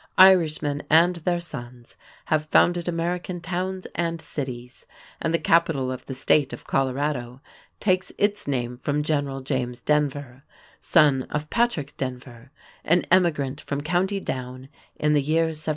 Irishmen and their sons have founded American towns and cities, and the capital of the State of Colorado takes its name from General James Denver, son of Patrick Denver, an emigrant from county Down in the year 1795.